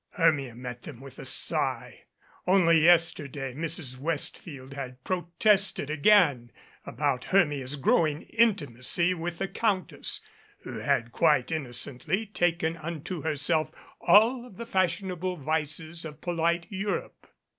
Hermia met them with a sigh. Only yesterday Mrs. Westfield had protested again about Hennia's growing intimacy with the Countess, 5 MADCAP who had quite innocently taken unto herself all of the fashionable vices of polite Europe.